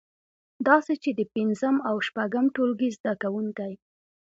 داسې چې د پنځم او شپږم ټولګي زده کوونکی